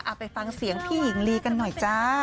ไปฟังเสียงพี่หญิงลีกันหน่อยจ้า